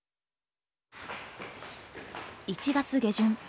１月下旬。